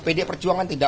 pdi perjuangan tinggi